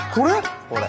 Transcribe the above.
これ？